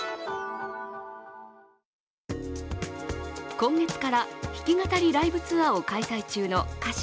今月から弾き語りライブツアーを開催中の歌手・